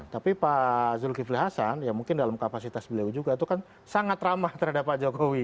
tapi pak zulkifli hasan ya mungkin dalam kapasitas beliau juga itu kan sangat ramah terhadap pak jokowi